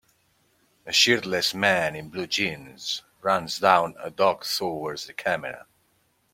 A shirtless man in blue jeans runs down a dock towards the camera.